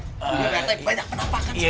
nanti banyak penampakan